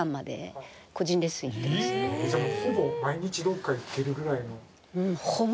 じゃあもうほぼ毎日どこか行ってるぐらいの。